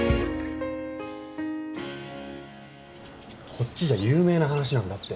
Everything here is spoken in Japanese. こっちじゃ有名な話なんだって。